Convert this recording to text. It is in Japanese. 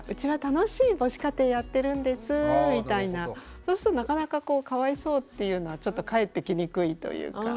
そうするとなかなかこうかわいそうっていうのは返ってきにくいというか。